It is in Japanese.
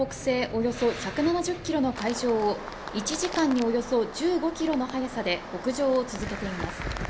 およそ１７０ｋｍの海上を１時間におよそ１５キロの速さで北上を続けています。